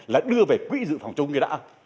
là đưa về quỹ dự phòng chung thì đã